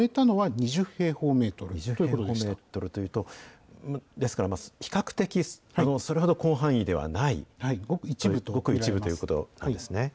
２０平方メートルというと、ですから比較的それほど広範囲ではない、ごく一部ということですね。